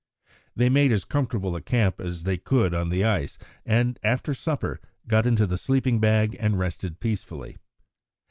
They made as comfortable a camp as they could on the ice, and, after supper, got into the sleeping bag and rested peacefully.